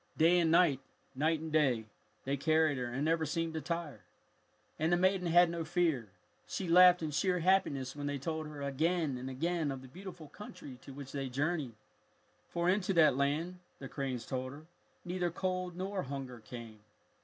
Day and night, night and day, they carried her and never seemed to tire. And the maiden had no fear. She laughed in sheer happiness when they told her again and again of the beautiful country to which they journeyed. For into that land, the cranes told her, neither cold nor hunger came.